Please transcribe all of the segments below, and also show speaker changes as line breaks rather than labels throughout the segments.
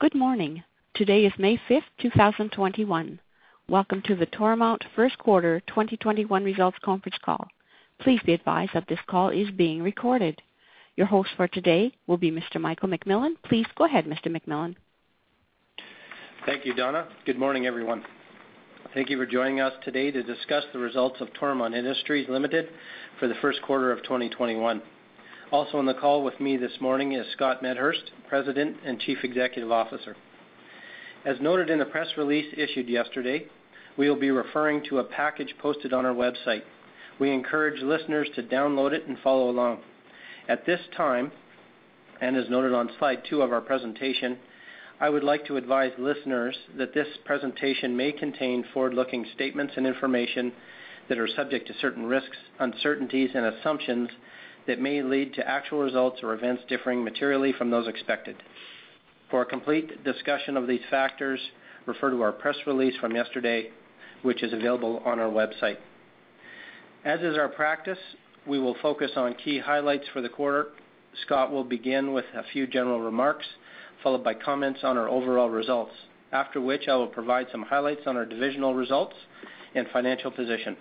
Good morning. Today is May 5th, 2021. Welcome to the Toromont first quarter 2021 results conference call. Please be advised that this call is being recorded. Your host for today will be Mr. Michael McMillan. Please go ahead, Mr. McMillan
Thank you, Donna. Good morning, everyone. Thank you for joining us today to discuss the results of Toromont Industries Limited for the first quarter of 2021. Also, on the call with me this morning is Scott Medhurst, President and Chief Executive Officer. As noted in the press release issued yesterday, we will be referring to a package posted on our website. We encourage listeners to download it and follow along. At this time, and as noted on slide two of our presentation, I would like to advise listeners that this presentation may contain forward-looking statements and information that are subject to certain risks, uncertainties, and assumptions that may lead to actual results or events differing materially from those expected. For a complete discussion of these factors, refer to our press release from yesterday, which is available on our website. As is our practice, we will focus on key highlights for the quarter. Scott will begin with a few general remarks, followed by comments on our overall results, after which I will provide some highlights on our divisional results and financial position.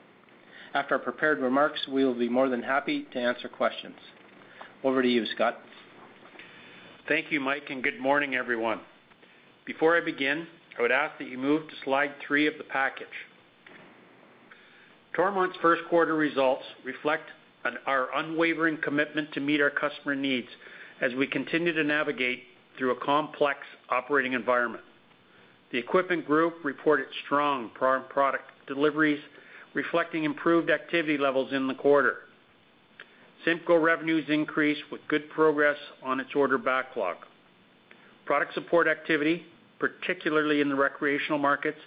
After our prepared remarks, we will be more than happy to answer questions. Over to you, Scott.
Thank you, Mike, and good morning, everyone. Before I begin, I would ask that you move to slide three of the package. Toromont's first quarter results reflect on our unwavering commitment to meet our customer needs as we continue to navigate through a complex operating environment. The Equipment Group reported strong product deliveries reflecting improved activity levels in the quarter. CIMCO revenues increased with good progress on its order backlog. Product support activity, particularly in the recreational markets,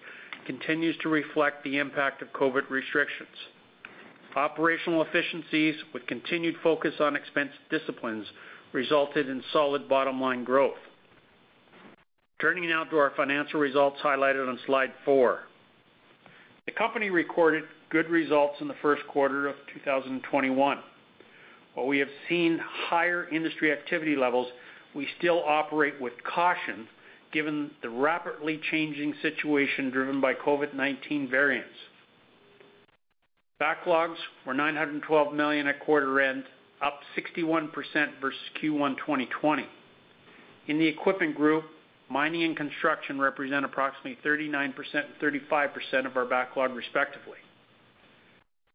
continues to reflect the impact of COVID restrictions. Operational efficiencies with continued focus on expense disciplines resulted in solid bottom-line growth. Turning now to our financial results highlighted on slide four. The company recorded good results in the first quarter of 2021. While we have seen higher industry activity levels, we still operate with caution given the rapidly changing situation driven by COVID-19 variants. Backlogs were 912 million at quarter end, up 61% versus Q1 2020. In the Equipment Group, Mining and Construction represent approximately 39% and 35% of our backlog, respectively.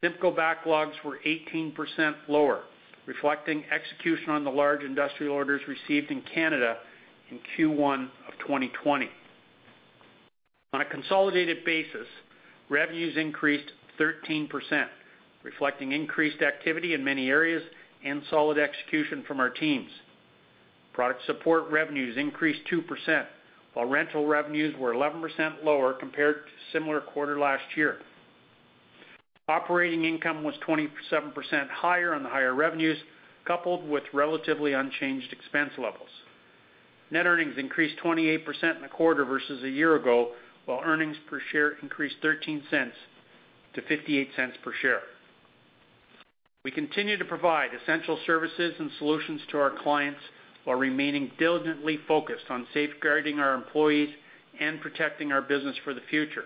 CIMCO backlogs were 18% lower, reflecting execution on the large industrial orders received in Canada in Q1 of 2020. On a consolidated basis, revenues increased 13%, reflecting increased activity in many areas and solid execution from our teams. Product support revenues increased 2%, while rental revenues were 11% lower compared to similar quarter last year. Operating income was 27% higher on the higher revenues, coupled with relatively unchanged expense levels. Net earnings increased 28% in the quarter versus a year ago, while earnings per share increased 0.13 to 0.58 per share. We continue to provide essential services and solutions to our clients while remaining diligently focused on safeguarding our employees and protecting our business for the future.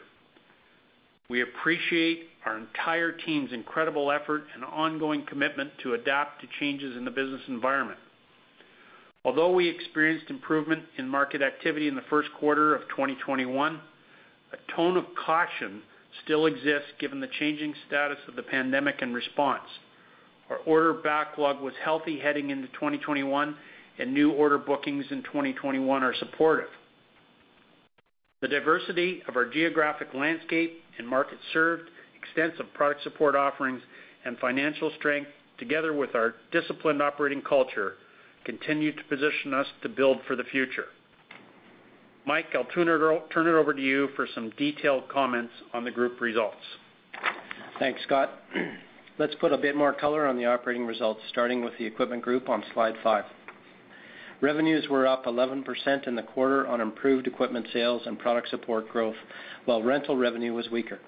We appreciate our entire team's incredible effort and ongoing commitment to adapt to changes in the business environment. Although we experienced improvement in market activity in the first quarter of 2021, a tone of caution still exists given the changing status of the pandemic and response. Our order backlog was healthy heading into 2021, and new order bookings in 2021 are supportive. The diversity of our geographic landscape and market served, extensive product support offerings, and financial strength, together with our disciplined operating culture, continue to position us to build for the future. Mike, I'll turn it over to you for some detailed comments on the group results.
Thanks, Scott. Let's put a bit more color on the operating results, starting with the Equipment Group on slide five. Revenues were up 11% in the quarter on improved equipment sales and product support growth, while rental revenue was weaker.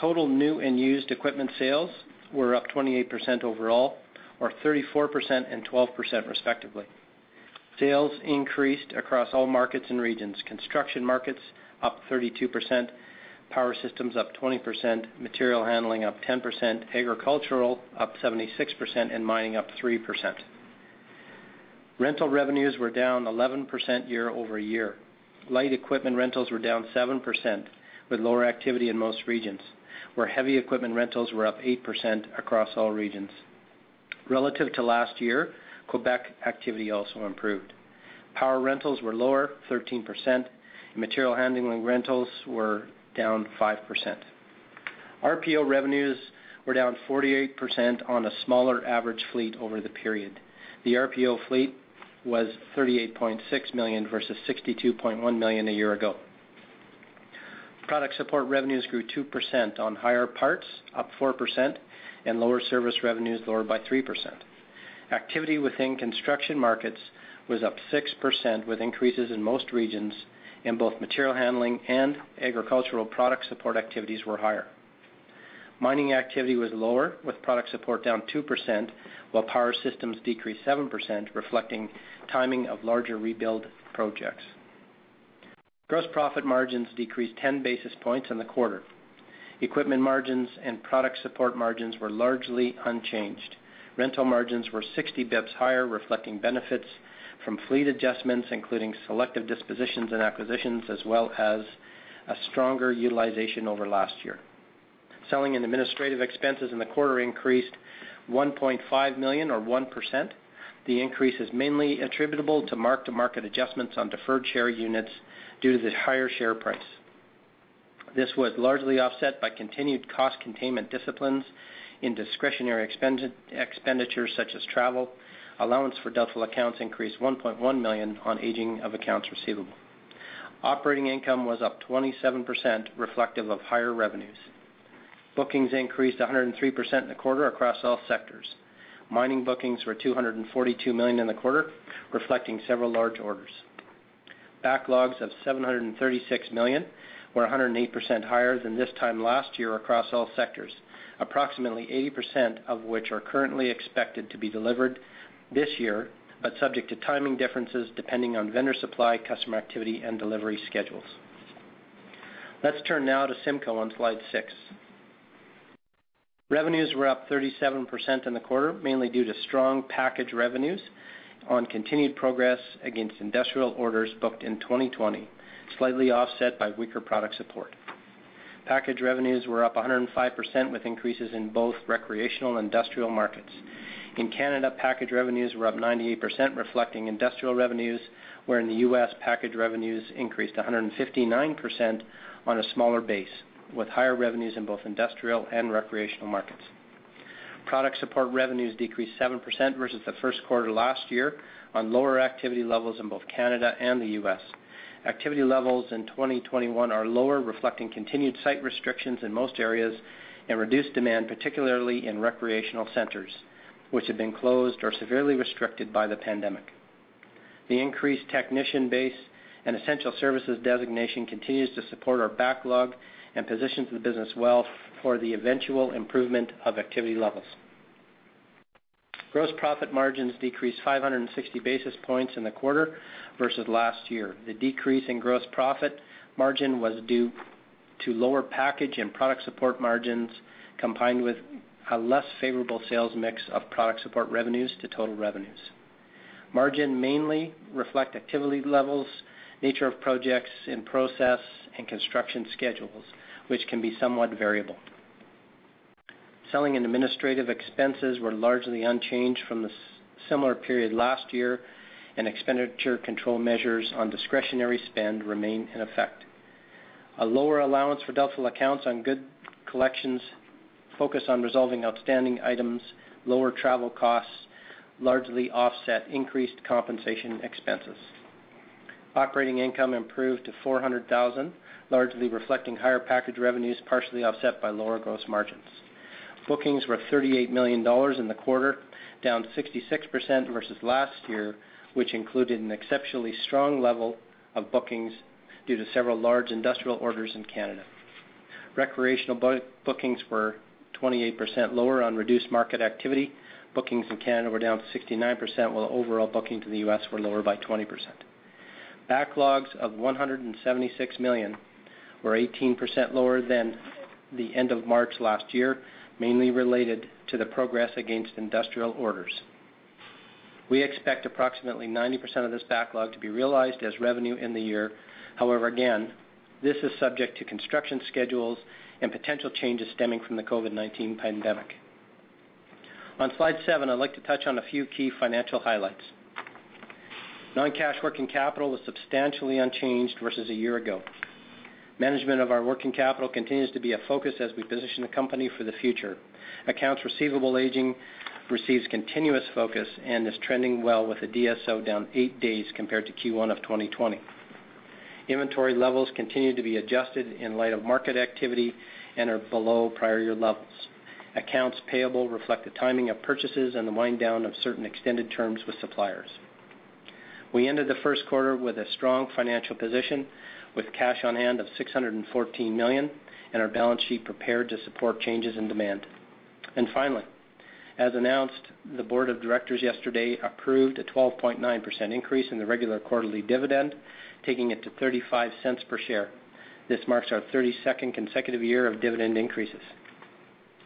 Total new and used equipment sales were up 28% overall, or 34% and 12%, respectively. Sales increased across all markets and regions. Construction markets up 32%, Power Systems up 20%, Material Handling up 10%, Agricultural up 76%, and Mining up 3%. Rental revenues were down 11% year-over-year. Light Equipment Rentals were down 7%, with lower activity in most regions, where Heavy Equipment Rentals were up 8% across all regions. Relative to last year, Québec activity also improved. Power Rentals were lower 13%, and Material Handling rentals were down 5%. RPO revenues were down 48% on a smaller average fleet over the period. The RPO fleet was 38.6 million versus 62.1 million a year ago. Product support revenues grew 2% on higher parts up 4%, and lower service revenues lowered by 3%. Activity within Construction markets was up 6%, with increases in most regions, and both Material Handling and agricultural product support activities were higher. Mining activity was lower with product support down 2%, while Power Systems decreased 7%, reflecting timing of larger rebuild projects. Gross profit margins decreased 10 basis points in the quarter. Equipment margins and product support margins were largely unchanged. Rental margins were 60 bps higher, reflecting benefits from fleet adjustments, including selective dispositions and acquisitions, as well as a stronger utilization over last year. Selling and administrative expenses in the quarter increased 1.5 million or 1%. The increase is mainly attributable to mark-to-market adjustments on deferred share units due to the higher share price. This was largely offset by continued cost containment disciplines in discretionary expenditures such as travel. Allowance for doubtful accounts increased 1.1 million on aging of accounts receivable. Operating income was up 27%, reflective of higher revenues. Bookings increased 103% in the quarter across all sectors. Mining bookings were 242 million in the quarter, reflecting several large orders. Backlogs of 736 million were 108% higher than this time last year across all sectors, approximately 80% of which are currently expected to be delivered this year, but subject to timing differences depending on vendor supply, customer activity, and delivery schedules. Let's turn now to CIMCO on slide six. Revenues were up 37% in the quarter, mainly due to strong package revenues on continued progress against industrial orders booked in 2020, slightly offset by weaker product support. Package revenues were up 105%, with increases in both recreational and industrial markets. In Canada, package revenues were up 98%, reflecting industrial revenues, where in the U.S., package revenues increased 159% on a smaller base, with higher revenues in both industrial and recreational markets. Product support revenues decreased 7% versus the first quarter last year on lower activity levels in both Canada and the U.S. Activity levels in 2021 are lower, reflecting continued site restrictions in most areas and reduced demand, particularly in recreational centers, which have been closed or severely restricted by the pandemic. The increased technician base and essential services designation continues to support our backlog and positions the business well for the eventual improvement of activity levels. Gross profit margins decreased 560 basis points in the quarter versus last year. The decrease in gross profit margin was due to lower package and product support margins, combined with a less favorable sales mix of product support revenues to total revenues. Margin mainly reflect activity levels, nature of projects in process, and construction schedules, which can be somewhat variable. Selling and administrative expenses were largely unchanged from the similar period last year, and expenditure control measures on discretionary spend remain in effect. A lower allowance for doubtful accounts on good collections focus on resolving outstanding items. Lower travel costs largely offset increased compensation expenses. Operating income improved to 400,000, largely reflecting higher package revenues, partially offset by lower gross margins. Bookings were at 38 million dollars in the quarter, down 66% versus last year, which included an exceptionally strong level of bookings due to several large industrial orders in Canada. Recreational bookings were 28% lower on reduced market activity. Bookings in Canada were down 69%, while overall bookings in the U.S. were lower by 20%. Backlogs of 176 million were 18% lower than the end of March last year, mainly related to the progress against industrial orders. We expect approximately 90% of this backlog to be realized as revenue in the year. Again, this is subject to construction schedules and potential changes stemming from the COVID-19 pandemic. On slide seven, I'd like to touch on a few key financial highlights. Non-cash working capital was substantially unchanged versus a year ago. Management of our working capital continues to be a focus as we position the company for the future. Accounts receivable aging receives continuous focus and is trending well, with the DSO down eight days compared to Q1 of 2020. Inventory levels continue to be adjusted in light of market activity and are below prior year levels. Accounts payable reflect the timing of purchases and the wind-down of certain extended terms with suppliers. We ended the first quarter with a strong financial position, with cash on hand of 614 million and our balance sheet prepared to support changes in demand. Finally, as announced, the board of directors yesterday approved a 12.9% increase in the regular quarterly dividend, taking it to 0.35 per share. This marks our 32nd consecutive year of dividend increases.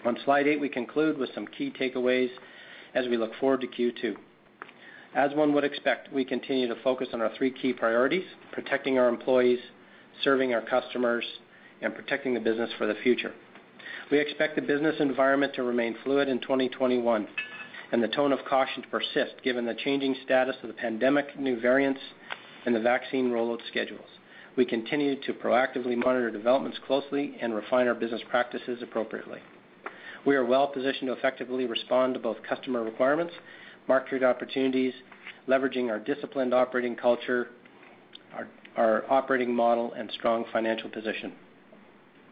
On slide eight, we conclude with some key takeaways as we look forward to Q2. As one would expect, we continue to focus on our three key priorities: protecting our employees, serving our customers, and protecting the business for the future. We expect the business environment to remain fluid in 2021 and the tone of caution to persist, given the changing status of the pandemic, new variants, and the vaccine rollout schedules. We continue to proactively monitor developments closely and refine our business practices appropriately. We are well positioned to effectively respond to both customer requirements, market opportunities, leveraging our disciplined operating culture, our operating model, and strong financial position.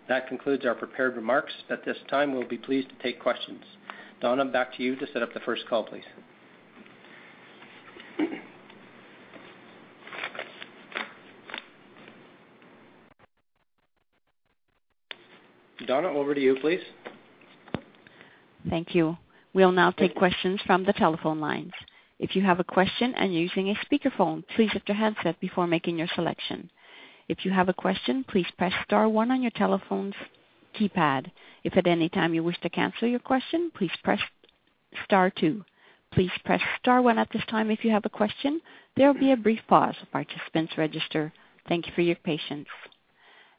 That concludes our prepared remarks. At this time, we'll be pleased to take questions. Donna, back to you to set up the first call, please.
Donna, over to you, please.
Thank you. We'll now take questions from the telephone lines. If you have a question and using a speakerphone, please have the headset before making your selection. If you have a question, please press star one on your telephone's keypad. If at any time you wish to cancel your question, please press star two. Please press star one at this time if you have a question. There'll be a brief pause. Participant's register. Thank you for your patience.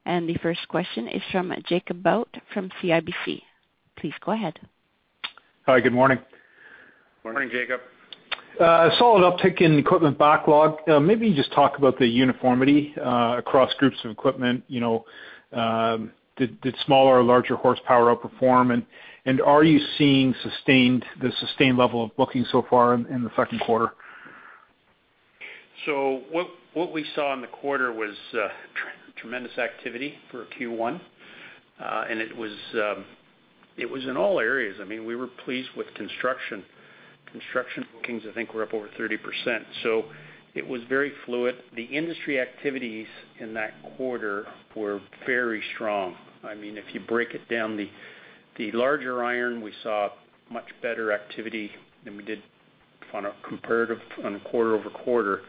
The first question is from Jacob Bout from CIBC. Please go ahead.
Hi, good morning.
Morning, Jacob.
A solid uptick in equipment backlog. Maybe just talk about the uniformity across groups of equipment. Did smaller or larger horsepower outperform, and are you seeing the sustained level of booking so far in the second quarter?
What we saw in the quarter was tremendous activity for Q1. It was in all areas. We were pleased with Construction. Construction bookings, I think, were up over 30%, so it was very fluid. The industry activities in that quarter were very strong. If you break it down, the larger iron, we saw much better activity than we did on a quarter-over-quarter.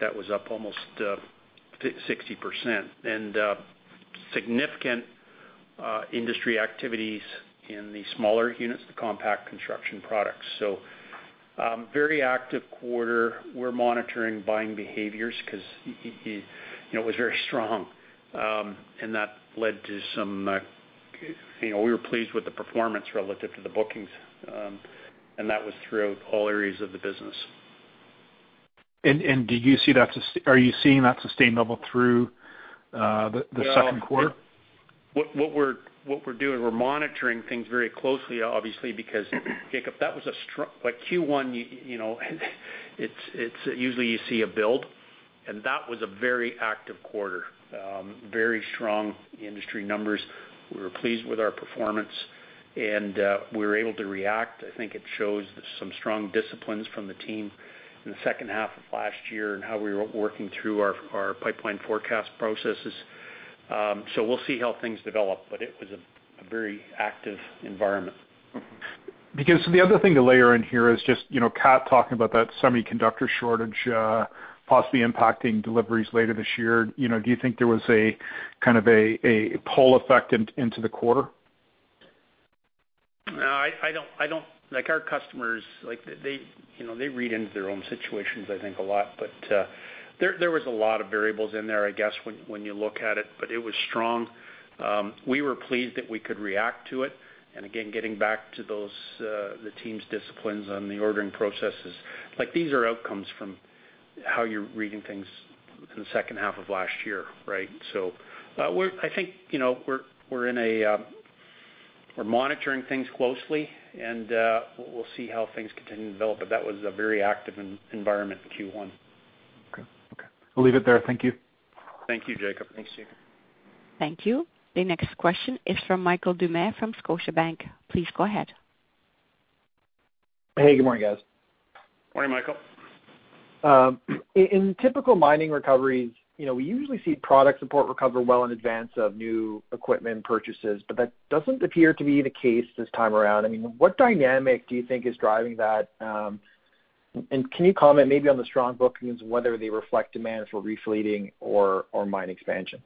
That was up almost 60%. Significant industry activities in the smaller units, the compact construction products. Very active quarter. We're monitoring buying behaviors because it was very strong. We were pleased with the performance relative to the bookings. That was throughout all areas of the business.
Are you seeing that sustained level through the second quarter?
What we're doing, we're monitoring things very closely, obviously, because, Jacob, Q1, usually you see a build, and that was a very active quarter. Very strong industry numbers. We were pleased with our performance, and we were able to react. I think it shows some strong disciplines from the team in the second half of last year and how we were working through our pipeline forecast processes. We'll see how things develop, but it was a very active environment.
The other thing to layer in here is just Cat talking about that semiconductor shortage possibly impacting deliveries later this year. Do you think there was a kind of a pull effect into the quarter?
No. Our customers, they read into their own situations, I think, a lot. There was a lot of variables in there, I guess, when you look at it, but it was strong. We were pleased that we could react to it. Again, getting back to the team's disciplines on the ordering processes, these are outcomes from how you're reading things in the second half of last year, right? I think we're monitoring things closely, and we'll see how things continue to develop. That was a very active environment in Q1.
Okay. Will leave it there. Thank you.
Thank you, Jacob.
Thanks, Jacob.
Thank you. The next question is from Michael Doumet from Scotiabank. Please go ahead.
Hey, good morning, guys.
Morning, Michael.
In typical mining recoveries, we usually see product support recover well in advance of new equipment purchases, but that doesn't appear to be the case this time around. What dynamic do you think is driving that? Can you comment, maybe, on the strong bookings and whether they reflect demand for refleeting or mine expansion?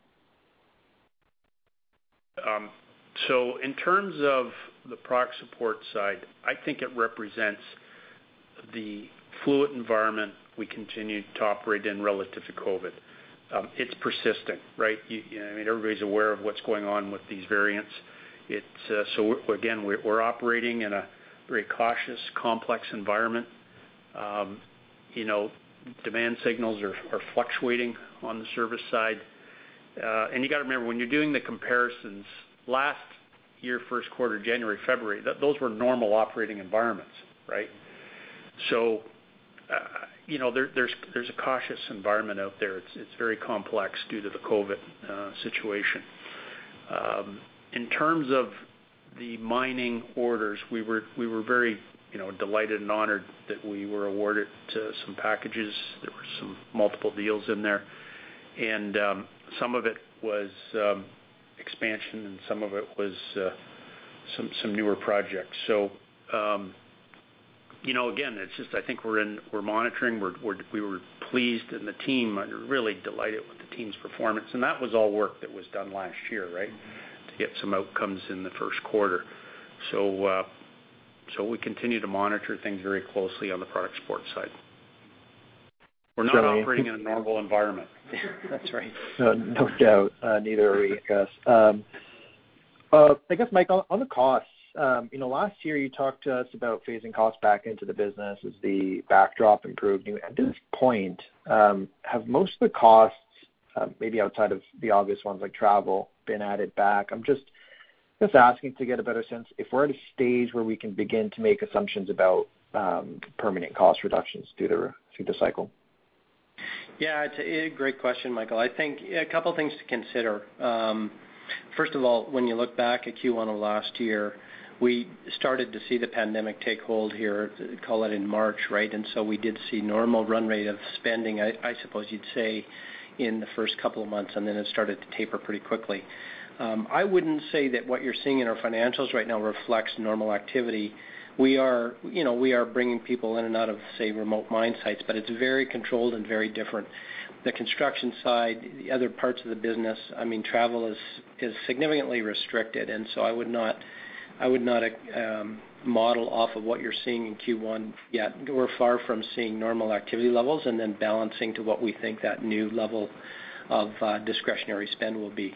In terms of the product support side, I think it represents the fluid environment we continue to operate in relative to COVID. It's persistent, right? Everybody's aware of what's going on with these variants. Again, we're operating in a very cautious, complex environment. Demand signals are fluctuating on the service side. You got to remember, when you're doing the comparisons, last year, first quarter, January, February, those were normal operating environments, right? There's a cautious environment out there. It's very complex due to the COVID situation. In terms of the Mining orders, we were very delighted and honored that we were awarded some packages. There were some multiple deals in there, and some of it was expansion, and some of it was some newer projects. Again, I think we're monitoring. We were pleased and really delighted with the team's performance. That was all work that was done last year, right, to get some outcomes in the first quarter. We continue to monitor things very closely on the product support side. We are not operating in a normal environment.
That's right.
No doubt. Neither are we. I guess, Michael, on the costs, last year you talked to us about phasing costs back into the business as the backdrop improved. At this point, have most of the costs, maybe outside of the obvious ones like travel, been added back? I'm just asking to get a better sense if we're at a stage where we can begin to make assumptions about permanent cost reductions through the cycle.
It's a great question, Michael. I think a couple of things to consider. First of all, when you look back at Q1 of last year, we started to see the pandemic take hold here, call it in March, right? We did see normal run rate of spending, I suppose you'd say, in the first couple of months. It started to taper pretty quickly. I wouldn't say that what you're seeing in our financials right now reflects normal activity. We are bringing people in and out of, say, remote mine sites, but it's very controlled and very different. The Construction side, the other parts of the business, travel is significantly restricted. I would not model off of what you're seeing in Q1 yet. We're far from seeing normal activity levels. Then balancing to what we think that new level of discretionary spend will be.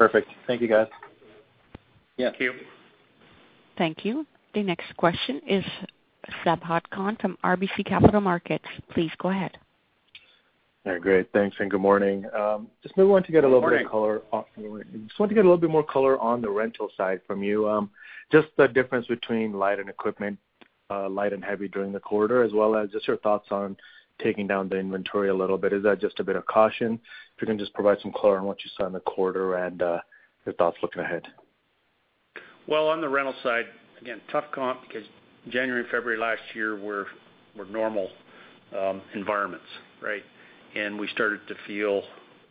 Perfect. Thank you, guys.
Yeah.
Thank you.
Thank you. The next question is Sabahat Khan from RBC Capital Markets. Please go ahead.
All right, great. Thanks, and good morning.
Good morning.
Just maybe wanted to get a little bit more color on the rental side from you. Just the difference between light equipment and heavy equipment during the quarter, as well as just your thoughts on taking down the inventory a little bit. Is that just a bit of caution? If you can just provide some color on what you saw in the quarter and your thoughts looking ahead.
Well, on the rental side, again, tough comp because January, February last year were normal environments, right? We started to feel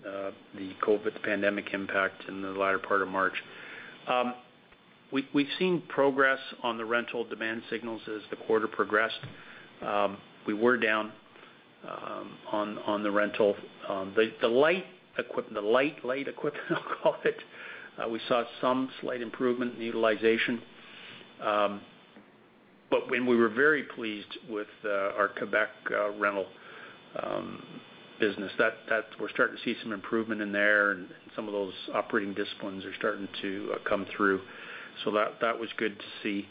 the COVID pandemic impact in the latter part of March. We've seen progress on the rental demand signals as the quarter progressed. We were down on the rental. The light equipment, I'll call it, we saw some slight improvement in the utilization. When we were very pleased with our Québec rental business, we're starting to see some improvement in there and some of those operating disciplines are starting to come through. That was good to see.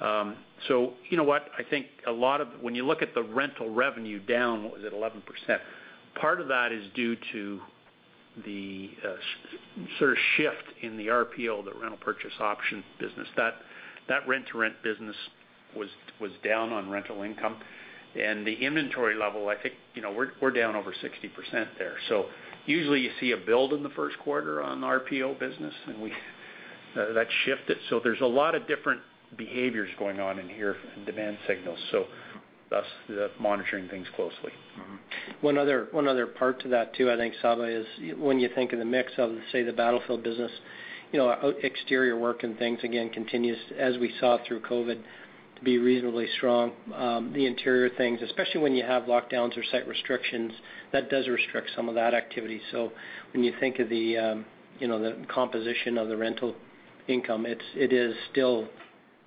You know what? I think when you look at the rental revenue down, what was it, 11%? Part of that is due to the sort of shift in the RPO, the rental purchase option business. That rent-to-rent business was down on rental income. The inventory level, I think we're down over 60% there. Usually, you see a build in the first quarter on the RPO business, and that shifted. There's a lot of different behaviors going on in here and demand signals, thus the monitoring things closely.
One other part to that, too, I think, Saba, is when you think of the mix of, say, the Battlefield business, exterior work and things, again, continues, as we saw through COVID, to be reasonably strong. The interior things, especially when you have lockdowns or site restrictions, that does restrict some of that activity. When you think of the composition of the rental income, it is still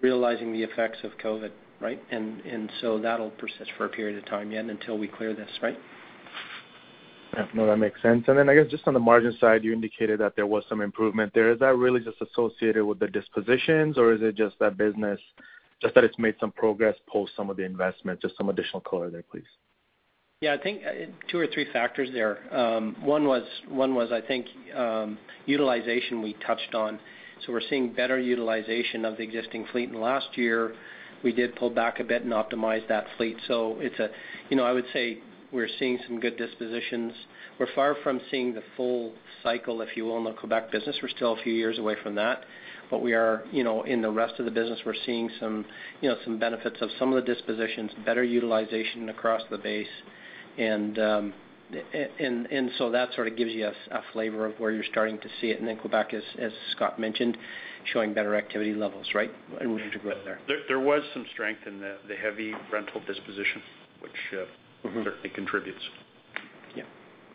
realizing the effects of COVID, right? That'll persist for a period of time yet until we clear this, right?
No, that makes sense. I guess just on the margin side, you indicated that there was some improvement there. Is that really just associated with the dispositions, or is it just that business, that it's made some progress post some of the investment? Just some additional color there, please.
Yeah, I think two or three factors there. One was, I think, utilization we touched on. We're seeing better utilization of the existing fleet. Last year, we did pull back a bit and optimize that fleet. I would say we're seeing some good dispositions. We're far from seeing the full cycle, if you will, on the Québec business. We're still a few years away from that. In the rest of the business, we're seeing some benefits of some of the dispositions, better utilization across the base. That sort of gives you a flavor of where you're starting to see it. Québec, as Scott mentioned, showing better activity levels, right? We need to grow there.
There was some strength in the heavy rental disposition, which certainly contributes.
Yeah.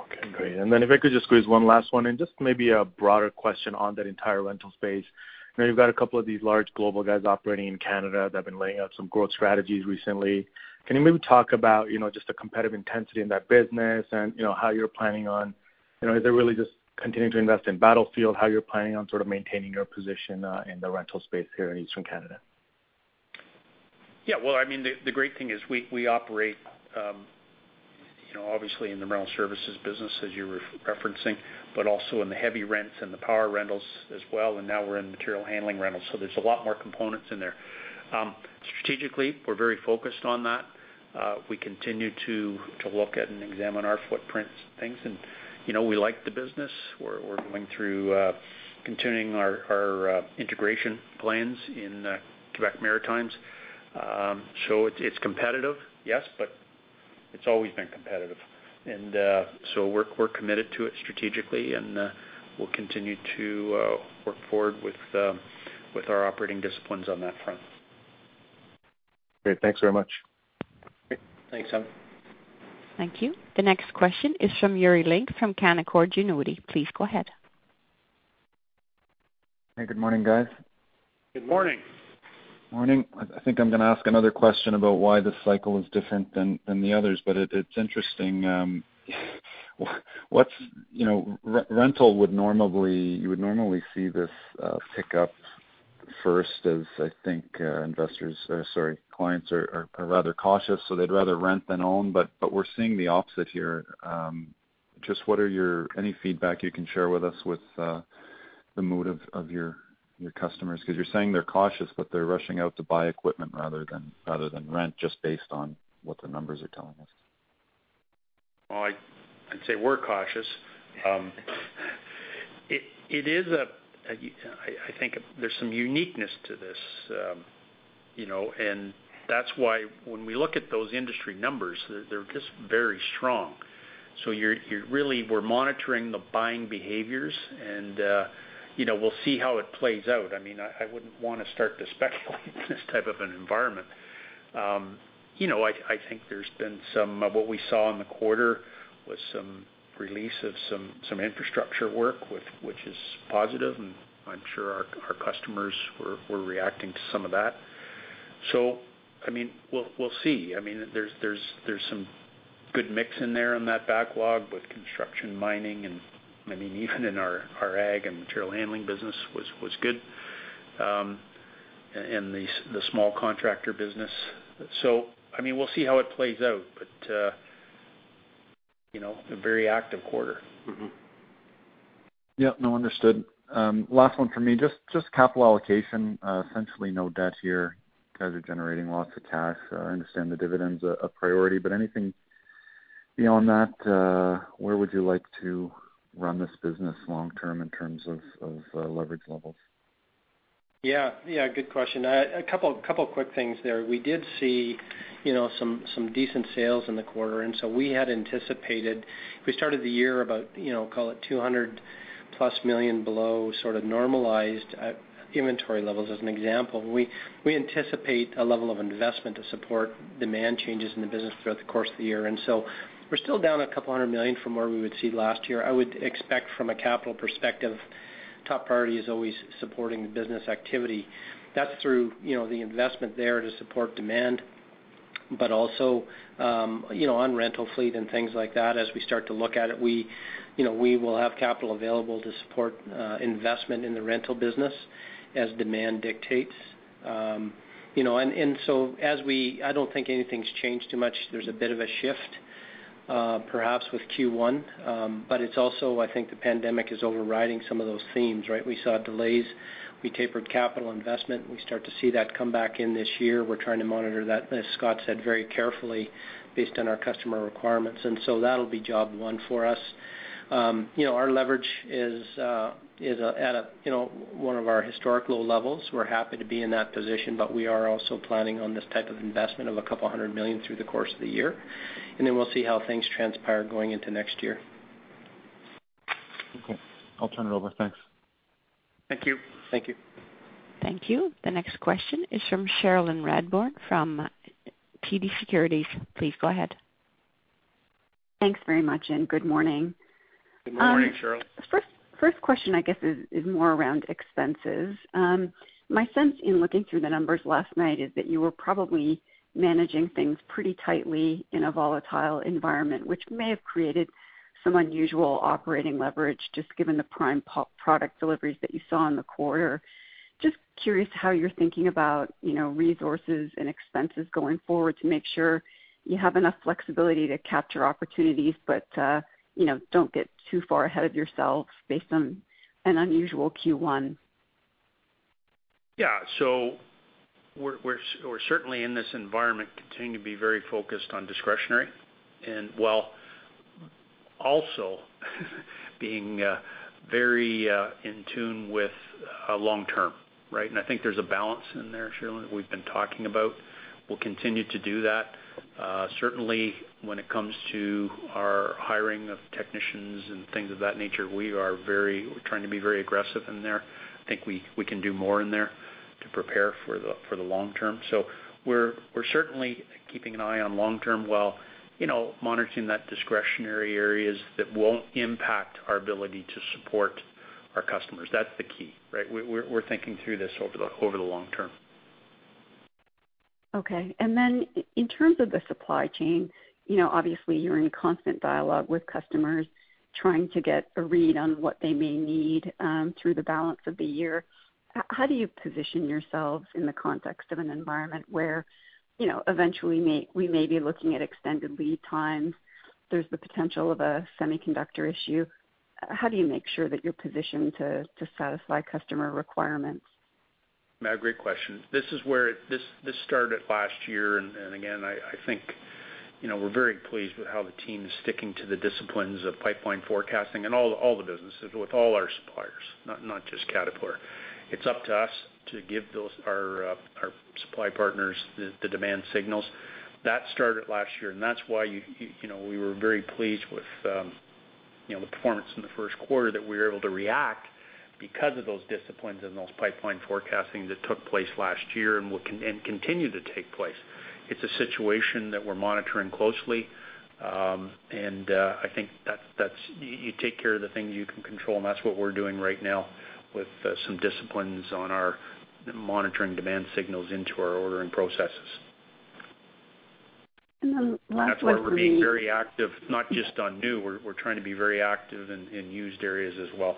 Okay, great. If I could just squeeze one last one in, just maybe a broader question on that entire rental space. I know you've got a couple of these large global guys operating in Canada that have been laying out some growth strategies recently. Can you maybe talk about just the competitive intensity in that business and how you're planning on, is it really just continuing to invest in Battlefield, how you're planning on sort of maintaining your position in the rental space here in Eastern Canada?
Yeah. Well, the great thing is we operate obviously in the rental services business as you were referencing, but also in the heavy rents and the power rentals as well, and now we're in Material Handling rentals. There's a lot more components in there. Strategically, we're very focused on that. We continue to look at and examine our footprints and things, and we like the business. We're going through continuing our integration plans in Québec Maritimes. It's competitive, yes, but it's always been competitive. We're committed to it strategically, and we'll continue to work forward with our operating disciplines on that front.
Great. Thanks very much.
Great. Thanks, Saba.
Thank you. The next question is from Yuri Lynk from Canaccord Genuity. Please go ahead.
Hey, good morning, guys.
Good morning.
Morning. I think I'm going to ask another question about why this cycle is different than the others, but it's interesting. Rental, you would normally see this pick up first, as I think clients are rather cautious, so they'd rather rent than own, but we're seeing the opposite here. Just any feedback you can share with us with the mood of your customers, because you're saying they're cautious, but they're rushing out to buy equipment rather than rent, just based on what the numbers are telling us.
Well, I'd say we're cautious. I think there's some uniqueness to this. That's why when we look at those industry numbers, they're just very strong. Really, we're monitoring the buying behaviors, and we'll see how it plays out. I wouldn't want to start to speculate in this type of an environment. I think there's been some of what we saw in the quarter was some release of some infrastructure work, which is positive, and I'm sure our customers were reacting to some of that. We'll see. There's some good mix in there in that backlog with Construction, Mining, and even in our ag and Material Handling business was good, and the small contractor business. We'll see how it plays out, but a very active quarter.
Yep. No, understood. Last one from me, just capital allocation. Essentially no debt here. You guys are generating lots of cash. I understand the dividend's a priority, but anything beyond that, where would you like to run this business long term in terms of leverage levels?
Yeah. Good question. A couple of quick things there. We did see some decent sales in the quarter, and so we had anticipated, we started the year about, call it +200 million below, sort of normalized at inventory levels, as an example. We anticipate a level of investment to support demand changes in the business throughout the course of the year. We're still down a couple of hundred million CAD from where we would see last year. I would expect from a capital perspective, top priority is always supporting the business activity. That's through the investment there to support demand, but also on rental fleet and things like that as we start to look at it. We will have capital available to support investment in the rental business as demand dictates. I don't think anything's changed too much. There's a bit of a shift perhaps with Q1. I think the pandemic is overriding some of those themes, right? We saw delays, we tapered capital investment. We start to see that come back in this year. We're trying to monitor that, as Scott said, very carefully based on our customer requirements. That'll be job one for us. Our leverage is at one of our historic low levels. We're happy to be in that position. We are also planning on this type of investment of CAD, a couple of hundred million, through the course of the year. We'll see how things transpire going into next year.
Okay. I'll turn it over. Thanks.
Thank you.
Thank you.
Thank you. The next question is from Cherilyn Radbourne from TD Securities. Please go ahead.
Thanks very much, and good morning.
Good morning, Cherilyn.
First question, I guess, is more around expenses. My sense in looking through the numbers last night is that you were probably managing things pretty tightly in a volatile environment, which may have created some unusual operating leverage, just given the prime product deliveries that you saw in the quarter. Just curious how you're thinking about resources and expenses going forward to make sure you have enough flexibility to capture opportunities, but don't get too far ahead of yourselves based on an unusual Q1.
Yeah. We're certainly in this environment continuing to be very focused on discretionary, and while also being very in tune with long-term, right? I think there's a balance in there, Cherilyn, that we've been talking about. We'll continue to do that. Certainly, when it comes to our hiring of technicians and things of that nature, we're trying to be very aggressive in there. I think we can do more in there to prepare for the long term. We're certainly keeping an eye on long term while monitoring that discretionary areas that won't impact our ability to support our customers. That's the key, right? We're thinking through this over the long term.
Okay. In terms of the supply chain, obviously, you're in constant dialogue with customers trying to get a read on what they may need through the balance of the year. How do you position yourselves in the context of an environment where eventually, we may be looking at extended lead times? There's the potential of a semiconductor issue. How do you make sure that you're positioned to satisfy customer requirements?
No, great question. This started last year, and again, I think we're very pleased with how the team is sticking to the disciplines of pipeline forecasting and all the businesses with all our suppliers, not just Caterpillar. It's up to us to give our supply partners the demand signals. That started last year, and that's why we were very pleased with the performance in the first quarter, that we were able to react because of those disciplines and those pipeline forecasting that took place last year and continue to take place. It's a situation that we're monitoring closely. You take care of the things you can control, and that's what we're doing right now with some disciplines on our monitoring demand signals into our ordering processes.
Last one for me.
That is why we are being very active, not just on new, we are trying to be very active in used areas as well.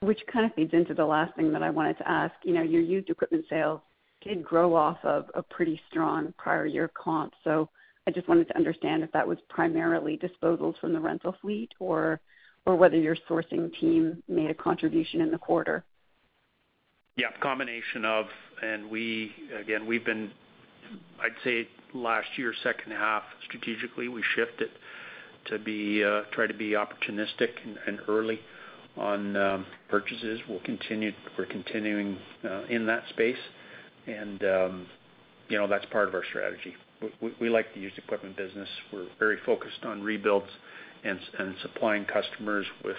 Which kind of feeds into the last thing that I wanted to ask. Your used equipment sales did grow off of a pretty strong prior year comp. I just wanted to understand if that was primarily disposals from the rental fleet or whether your sourcing team made a contribution in the quarter.
Yeah. Combination of, again, we've been, I'd say, last year, second half, strategically, we shifted to try to be opportunistic and early on purchases. We're continuing in that space, and that's part of our strategy. We like the used equipment business. We're very focused on rebuilds and supplying customers with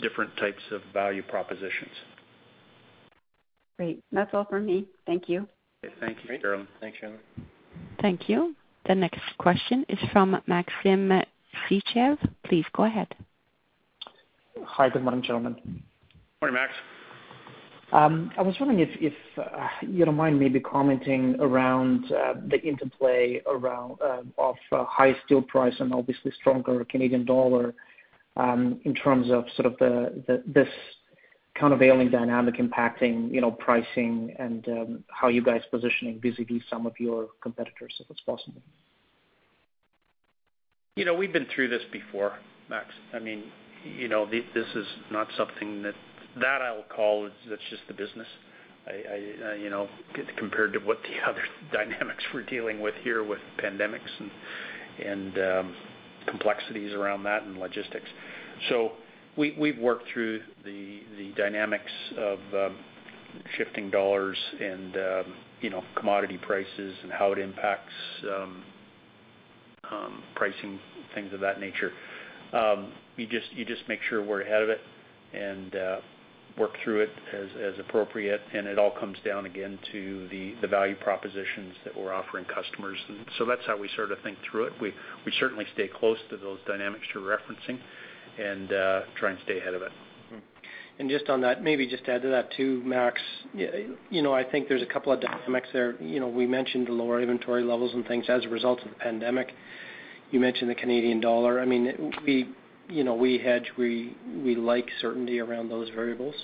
different types of value propositions.
Great. That's all for me. Thank you.
Thank you, Cherilyn.
Great. Thanks, Cherilyn.
Thank you. The next question is from Maxim Sytchev. Please go ahead.
Hi. Good morning, gentlemen.
Morning, Max.
I was wondering if you don't mind maybe commenting around the interplay of high steel price and obviously, stronger Canadian dollar, in terms of this countervailing dynamic impacting pricing and how you guys positioning vis-a-vis some of your competitors, if it's possible?
We've been through this before, Max. This is not something that I'll call; it's just the business, compared to what the other dynamics we're dealing with here with pandemics and complexities around that, and logistics. We've worked through the dynamics of shifting dollars and commodity prices and how it impacts pricing, things of that nature. You just make sure we're ahead of it and work through it as appropriate, and it all comes down again to the value propositions that we're offering customers. That's how we sort of think through it. We certainly stay close to those dynamics you're referencing and try and stay ahead of it.
Just on that, maybe just to add to that, too, Max. I think there's a couple of dynamics there. We mentioned the lower inventory levels and things as a result of the pandemic. You mentioned the Canadian dollar. We hedge; we like certainty around those variables,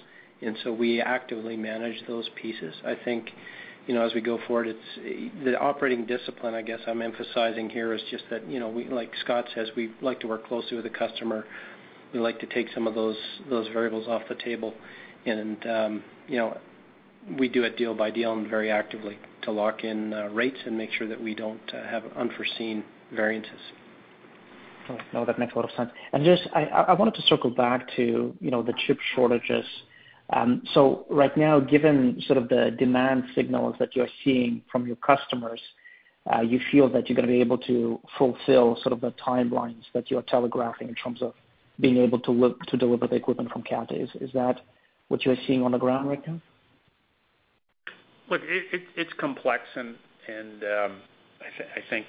so we actively manage those pieces. I think, as we go forward, the operating discipline, I guess I'm emphasizing here, is just that, like Scott says, we like to work closely with the customer. We like to take some of those variables off the table, and we do it deal by deal and very actively to lock in rates and make sure that we don't have unforeseen variances.
No, that makes a lot of sense. Just, I wanted to circle back to the chip shortages. Right now, given the demand signals that you're seeing from your customers, you feel that you're going to be able to fulfill the timelines that you're telegraphing in terms of being able to deliver the equipment from Cat? Is that what you're seeing on the ground right now?
Look, it's complex. I think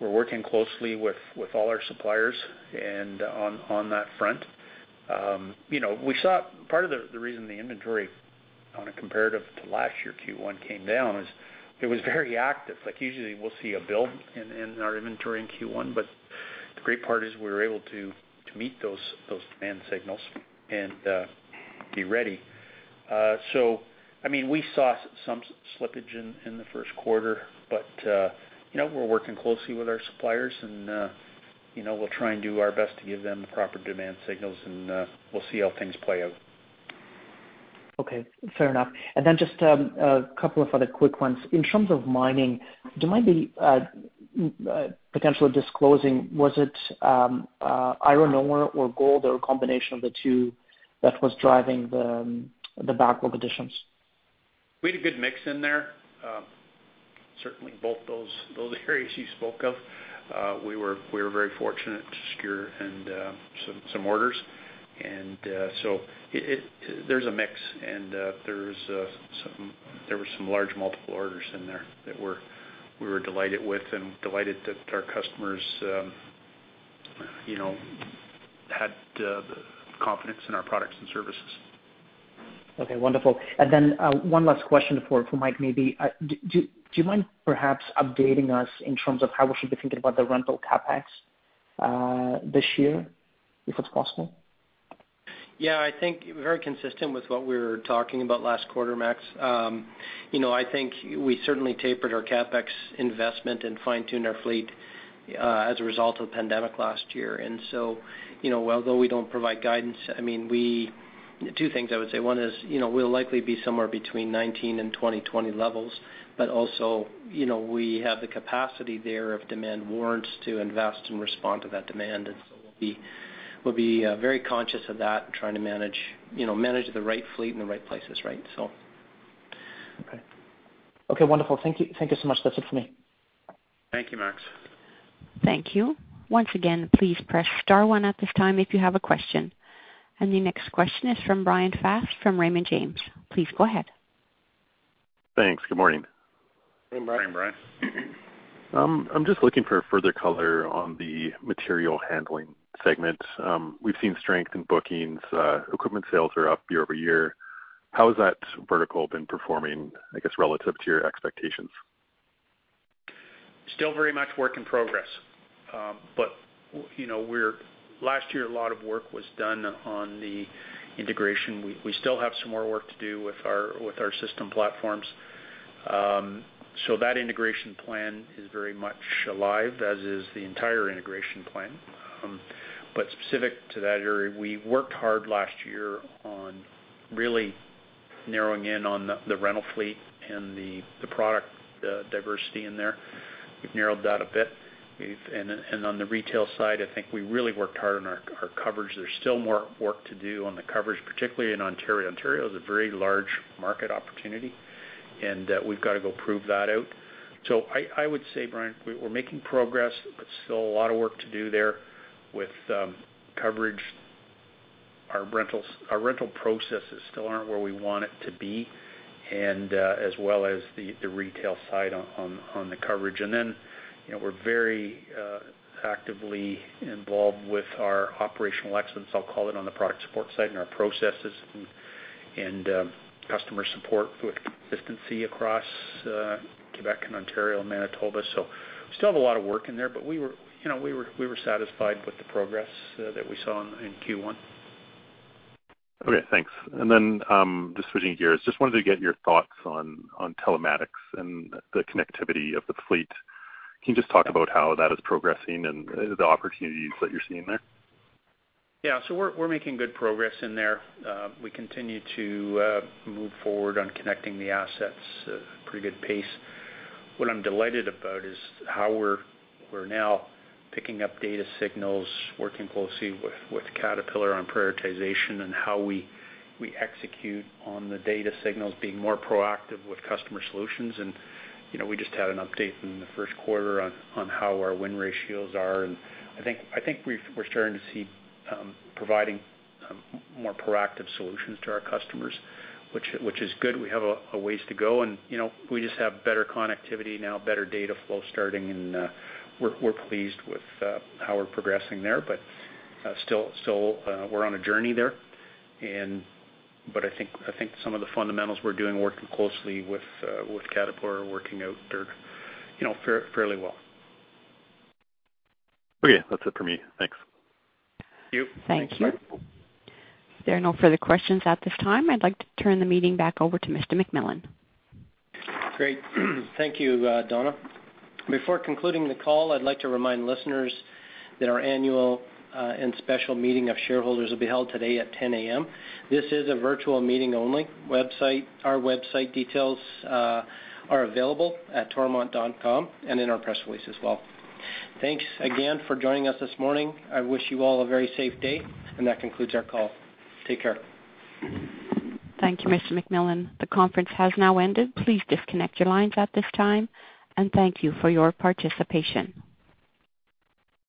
we're working closely with all our suppliers, and on that front. Part of the reason the inventory on a comparative to last year Q1 came down is it was very active. Like usually, we'll see a build in our inventory in Q1, but the great part is we were able to meet those demand signals and be ready. We saw some slippage in the first quarter, but we're working closely with our suppliers, and we'll try and do our best to give them the proper demand signals and we'll see how things play out.
Okay. Fair enough. Just a couple of other quick ones. In terms of Mining, do you mind maybe potentially disclosing, was it iron ore or gold or a combination of the two that was driving the backlog additions?
We had a good mix in there. Certainly, both those areas you spoke of. We were very fortunate to secure some orders. There's a mix, and there were some large multiple orders in there that we were delighted with and delighted that our customers had confidence in our products and services.
Okay, wonderful. One last question for Mike, maybe. Do you mind perhaps updating us in terms of how we should be thinking about the rental CapEx this year, if it's possible?
Yeah, I think very consistent with what we were talking about last quarter, Max. I think we certainly tapered our CapEx investment and fine-tuned our fleet as a result of the pandemic last year. Although we don't provide guidance, two things I would say. One is, we'll likely be somewhere between 2019 and 2020 levels, but also, we have the capacity there if demand warrants to invest and respond to that demand. We'll be very conscious of that and trying to manage the right fleet in the right places.
Okay, wonderful. Thank you so much. That's it for me.
Thank you, Max.
Thank you. Once again, please press star one at this time if you have a question. The next question is from Bryan Fast from Raymond James. Please go ahead.
Thanks. Good morning.
Good morning, Bryan.
Morning, Bryan.
I'm just looking for further color on the Material Handling segment. We've seen strength in bookings. Equipment sales are up year-over-year. How has that vertical been performing, I guess, relative to your expectations?
Still very much work in progress. Last year, a lot of work was done on the integration. We still have some more work to do with our system platforms. That integration plan is very much alive, as is the entire integration plan. Specific to that area, we worked hard last year on really narrowing in on the rental fleet and the product diversity in there. We've narrowed that a bit. On the retail side, I think we really worked hard on our coverage. There's still more work to do on the coverage, particularly in Ontario. Ontario is a very large market opportunity, and we've got to go prove that out. I would say, Bryan, we're making progress, but still a lot of work to do there with coverage. Our rental processes still aren't where we want it to be, and as well as the retail side on the coverage. We're very actively involved with our operational excellence, I'll call it, on the product support side and our processes and customer support with consistency across Québec and Ontario and Manitoba. We still have a lot of work in there, but we were satisfied with the progress that we saw in Q1.
Okay, thanks. Just switching gears, just wanted to get your thoughts on telematics and the connectivity of the fleet. Can you just talk about how that is progressing and the opportunities that you're seeing there?
Yeah. We're making good progress in there. We continue to move forward on connecting the assets at a pretty good pace. What I'm delighted about is how we're now picking up data signals, working closely with Caterpillar on prioritization and how we execute on the data signals, being more proactive with customer solutions. We just had an update in the first quarter on how our win ratios are, and I think we're starting to see providing more proactive solutions to our customers, which is good. We have a ways to go, and we just have better connectivity now, better data flow starting, and we're pleased with how we're progressing there. Still, we're on a journey there. I think some of the fundamentals we're doing, working closely with Caterpillar, are working out fairly well.
Okay. That's it for me. Thanks.
Thank you.
Thank you. There are no further questions at this time. I'd like to turn the meeting back over to Mr. McMillan.
Great. Thank you, Donna. Before concluding the call, I'd like to remind listeners that our annual and special meeting of shareholders will be held today at 10:00 A.M. This is a virtual meeting only. Our website details are available at toromont.com and in our press release as well. Thanks again for joining us this morning. I wish you all a very safe day, and that concludes our call. Take care.
Thank you, Mr. McMillan. The conference has now ended. Please disconnect your lines at this time, and thank you for your participation.